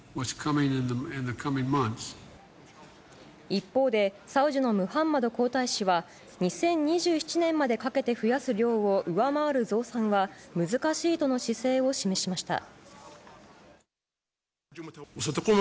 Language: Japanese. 一方で、サウジのムハンマド皇太子は、２０２７年までかけて増やす量を上回る増産は難しいとの姿勢を示しました。